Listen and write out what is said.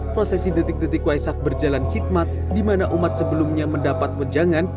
prosesi detik detik waisak berjalan khidmat di mana umat sebelumnya mendapat pejangan